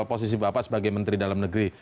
posisi bapak sebagai menteri dalam negeri